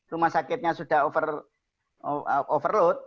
rumah sakitnya sudah overload